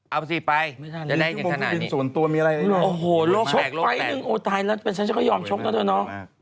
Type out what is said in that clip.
เอาสิไปจะได้จนขนาดนี้โอ้โหโลกแปลกโลกแปลกโอ้ตายแล้วเป็นฉันก็ยอมชกกันด้วยเนาะ